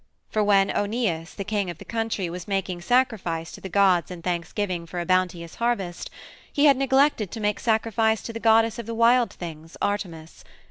For when Oeneus, the king of the country, was making sacrifice to the gods in thanksgiving for a bounteous harvest, he had neglected to make sacrifice to the goddess of the wild things, Artemis.